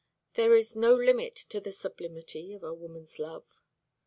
There is no limit to the sublimity of a woman's love."